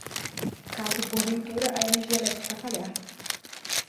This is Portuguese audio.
Caso, porventura, a energia elétrica falhar